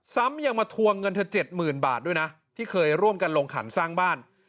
ซ้ำยังมาทวงเงินเธอ๗๐๐๐บาทด้วยนะที่เคยร่วมกันลงขันสร้างบ้าน